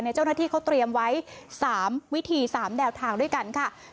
เจ้าหน้าที่เขาเตรียมไว้๓วิธี๓แนวทางด้วยกันค่ะ